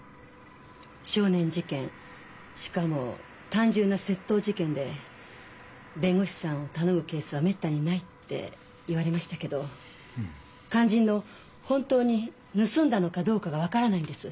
少年事件しかも単純な窃盗事件で弁護士さんを頼むケースはめったにないって言われましたけど肝心の「本当に盗んだのかどうか」が分からないんです。